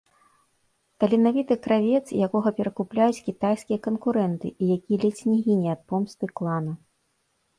Таленавіты кравец, якога перакупляюць кітайскія канкурэнты і які ледзь не гіне ад помсты клана.